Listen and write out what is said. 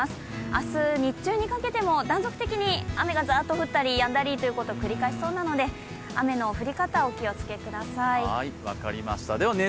明日、日中にかけても断続的に雨がザッと降ったりやんだりということを繰り返しそうなので雨の降り方、お気をつけください。